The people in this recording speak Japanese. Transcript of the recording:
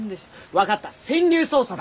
分かった潜入捜査だ！